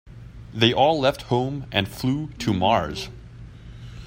They all left home and flew to Mars.